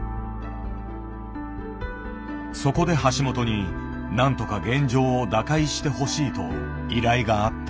そこで橋本になんとか現状を打開してほしいと依頼があった。